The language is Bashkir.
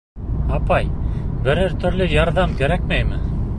— Апай, берәр төрлө ярҙам кәрәкмәйме?